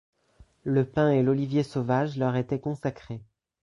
Le pin et l'olivier sauvage leur étaient consacrés.